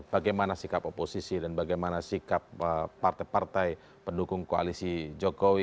bagaimana sikap oposisi dan bagaimana sikap partai partai pendukung koalisi jokowi